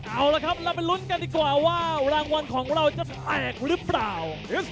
เอาละครับเราไปลุ้นกันดีกว่าว่ารางวัลของเราจะแตกหรือเปล่า